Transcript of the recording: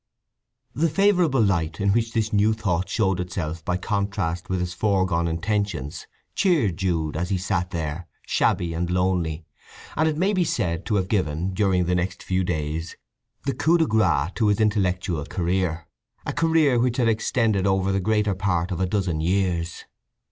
The favourable light in which this new thought showed itself by contrast with his foregone intentions cheered Jude, as he sat there, shabby and lonely; and it may be said to have given, during the next few days, the coup de grâce to his intellectual career—a career which had extended over the greater part of a dozen years.